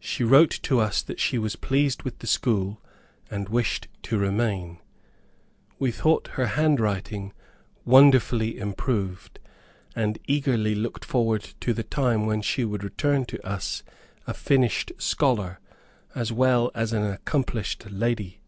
She wrote to us that she was pleased with the school, and wished to remain. We thought her hand writing wonderfully improved, and eagerly looked forward to the time when she would return to us a finished scholar, as well as an accomplished lady.